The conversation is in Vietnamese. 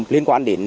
liên quan đến